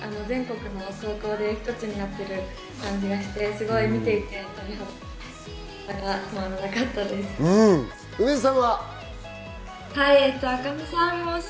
全国の高校で一つになってる感じがして見ていて鳥肌が止まらなかったです。